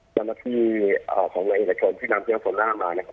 สำหรับที่ของเมืองอินเตอร์ชนที่นำเที่ยวโฟนร่างมานะครับ